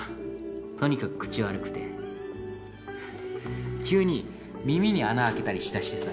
とにかく口悪くて急に耳に穴開けたりしだしてさ